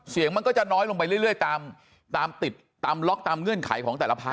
มันก็จะน้อยลงไปเรื่อยตามติดตามล็อกตามเงื่อนไขของแต่ละพัก